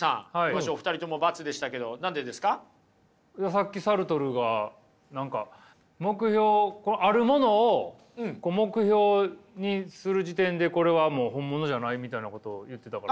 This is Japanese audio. さっきサルトルが何か目標あるものを目標にする時点でこれはもう本物じゃないみたいなことを言ってたから。